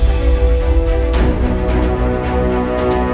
aku mau ke sana